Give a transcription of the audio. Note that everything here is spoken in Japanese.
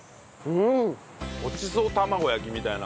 ごちそう玉子焼きみたいな。